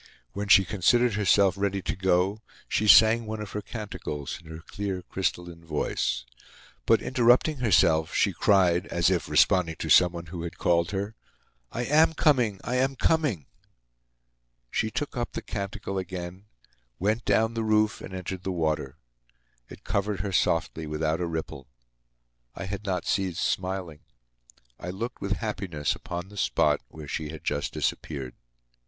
When she considered herself ready to go, she sang one of her canticles in her clear crystalline voice. But, interrupting herself, she cried, as if responding to someone who had called her: "I am coming, I am coming!" She took up the canticle again, went down the roof, and entered the water. It covered her softly, without a ripple. I had not ceased smiling. I looked with happiness upon the spot where she had just disappeared.